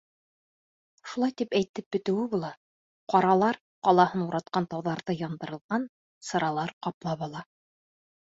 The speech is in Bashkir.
Шулай тип әйтеп бөтөүе була, Ҡаралар ҡалаһын уратҡан тауҙарҙы яндырылған сыралар ҡаплап ала.